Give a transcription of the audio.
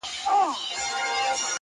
پرېږده چي نور په سره ناسور بدل سي،